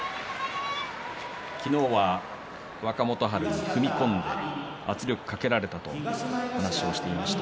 昨日は若元春、踏み込んで圧力をかけられたと話をしていました。